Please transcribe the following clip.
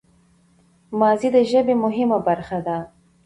ماضي د ژبي مهمه برخه ده.